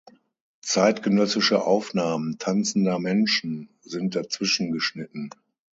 Zeitgenössische Aufnahmen tanzender Menschen sind dazwischen geschnitten.